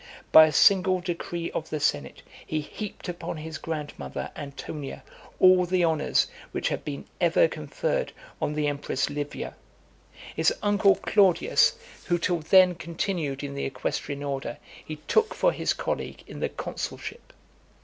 By a single decree of the senate, he heaped upon his grandmother, Antonia, all the honours which had been ever conferred on the empress Livia. His uncle, Claudius, who till then continued in the equestrian order, he took for his colleague in the consulship.